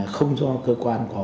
không do cơ quan giao thông